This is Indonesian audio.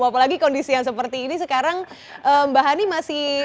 apalagi kondisi yang seperti ini sekarang mbak hani masih